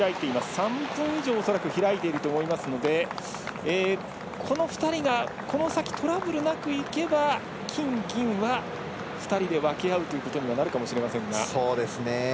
３分以上恐らく開いていると思いますのでこの２人がこの先トラブルなくいけば金、銀は２人で分け合うということになるかもしれませんが。